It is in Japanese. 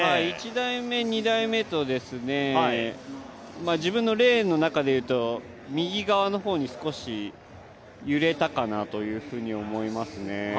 １台目、２台目と自分のレーンの中でいうと右側の方に少し揺れたかなというふうに思いますね。